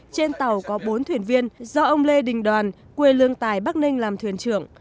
trên tàu có bốn thuyền viên do ông lê đình đoàn quê lương tài bắc ninh làm thuyền trưởng